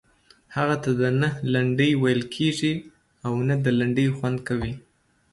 هغه ته نه لنډۍ ویل کیږي او نه د لنډۍ خوند کوي.